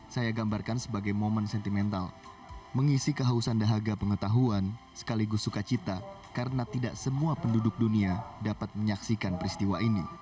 saya gambarkan sebagai momen sentimental mengisi kehausan dahaga pengetahuan sekaligus sukacita karena tidak semua penduduk dunia dapat menyaksikan peristiwa ini